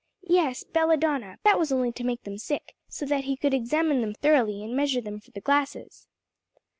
"Yes, belladonna, but that was only to make them sick, so that he could examine them thoroughly, and measure them for the glasses."